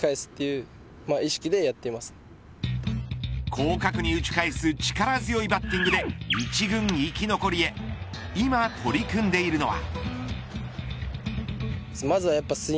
広角に打ち返す力強いバッティングで１軍生き残りへ今取り組んでいるのは。